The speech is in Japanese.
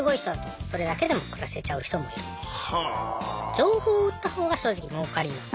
情報を売ったほうが正直もうかります。